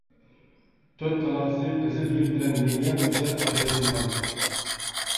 تۆت تالاسى قىزىل يىپ بىلەن لىنىيە بويىچە ئاجرىتىلغان.